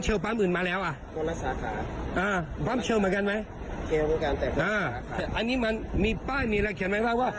เชียวคนละสาขาอ่าอันนี้มันมีป้ายมีอะไรเขียนไหมว่า